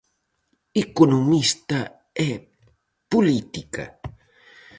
Economista e política.